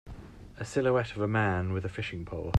A silhouette of a man with a fishing pole.